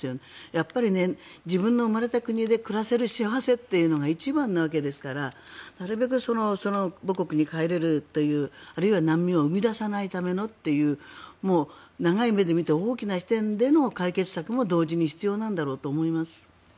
やっぱり自分の生まれた国で暮らせる幸せが一番なわけですからなるべく母国に帰るというあるいは難民を生み出さないという長い目で見て大きな視点での解決策も同時に必要なんだろうと思います。